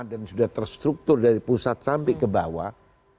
dan sudah terstruktur dari pusat sampai kebawah